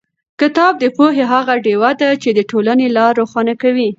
کتاب د پوهې هغه ډېوه ده چې د ټولنې لار روښانه کوي.